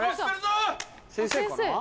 ・先生かな？